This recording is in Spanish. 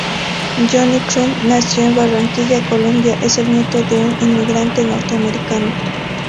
Johnny Crump, nacido en Barranquilla, Colombia, es el nieto de un inmigrante norteamericano.